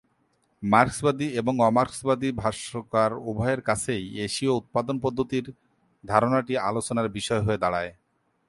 মার্ক্সবাদী এবং অ-মার্কসবাদী ভাষ্যকার উভয়ের কাছেই এশীয় উৎপাদন পদ্ধতির ধারণাটি আলোচনার বিষয় হয়ে দাঁড়ায়।